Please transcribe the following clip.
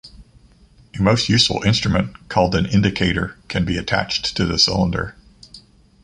A most useful instrument, called an indicator, can be attached to the cylinder.